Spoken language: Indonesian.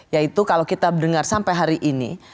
yaitu kalau kita dengar sampai hari ini